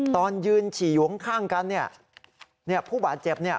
ตอนยืนฉี่หวงข้างกันพู่บาทเจ็บเนี่ย